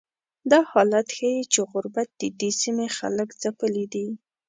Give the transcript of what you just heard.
دا حالت ښیي چې غربت ددې سیمې خلک ځپلي دي.